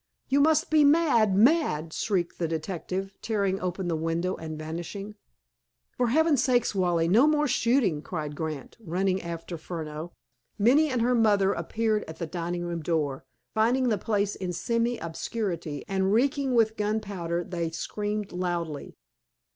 "You must be mad, mad!" shrieked the detective, tearing open the window, and vanishing. "For Heaven's sake, Wally, no more shooting!" cried Grant, running after Furneaux. Minnie and her mother appeared at the dining room door. Finding the place in semi obscurity, and reeking with gunpowder, they screamed loudly.